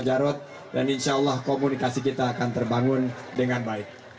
semoga komunikasi kita akan terbangun dengan baik